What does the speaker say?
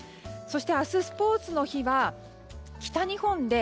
そして明日、スポーツの日は北日本で